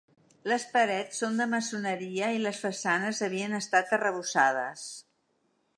Les parets són de maçoneria i les façanes havien estat arrebossades.